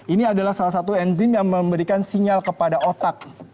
ini adalah salah satu enzim yang memberikan sinyal kepada otak